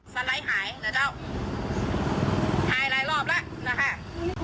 สไลด์หายนะเจ้าหายหลายรอบแล้วนะคะ